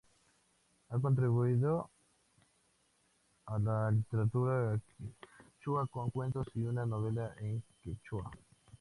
Ha contribuido a la literatura quechua con cuentos y una novela en quechua.